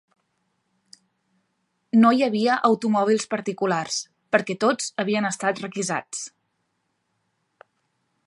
No hi havia automòbils particulars, perquè tots havien estat requisats